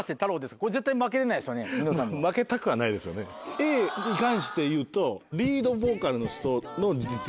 Ａに関して言うと。